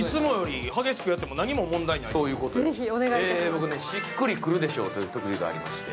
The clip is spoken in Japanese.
僕ね、しっくりくるでＳＨＯＷっていう特技がありまして